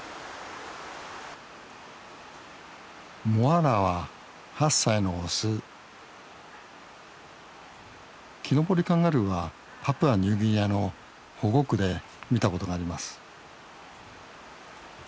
モアラは８歳のオスキノボリカンガルーはパプアニューギニアの保護区で見たことがあります